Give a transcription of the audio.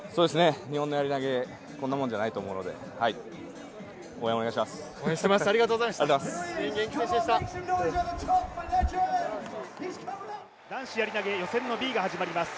日本のやり投、こんなもんじゃないと思うので応援、お願いします！